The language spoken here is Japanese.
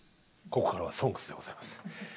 ここからは「ＳＯＮＧＳ」でございます。